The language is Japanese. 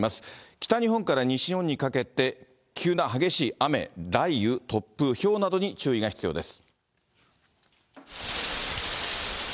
北日本から西日本にかけて、急な激しい雨、雷雨、突風、ひょうなどに注意が必要です。